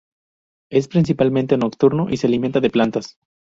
Es principalmente nocturno y se alimenta de plantas.